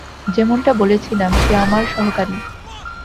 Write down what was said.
যেমনটা বলেছিলাম, সে আমার সহকারী।